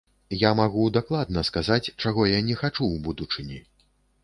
Я магу дакладна сказаць, чаго я не хачу ў будучыні.